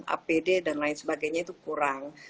apd dan lain sebagainya itu kurang